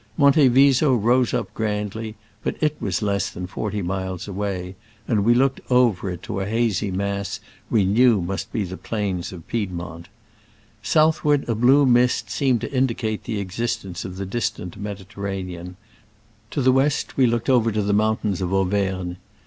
Monte Viso rose up grandly, but it was less than forty miles away, and we looked over it to a hazy mass we knew must be the plains of Piedmont. Southward, a blue mist seemed to indicate the existence of the distant Mediterranean : to the west we looked over to the mountains of Au vergne.